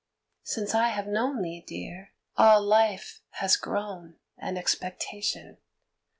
Since I have known thee, Dear, all life has grown An expectation.